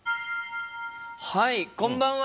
はいこんばんは。